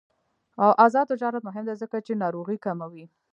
آزاد تجارت مهم دی ځکه چې ناروغۍ کموي.